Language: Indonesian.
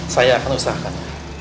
saya akan usahakan